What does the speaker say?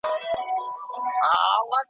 چي په منځ کي د همزولو وه ولاړه .